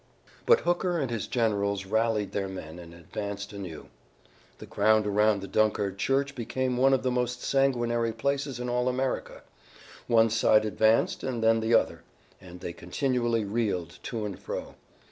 But Hooker and his generals rallied their men and advanced anew. The ground around the Dunkard church became one of the most sanguinary places in all America. One side advanced and then the other, and they continually reeled to and fro.